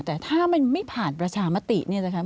แต่ถ้ามันไม่ผ่านประชามติเนี่ยนะคะ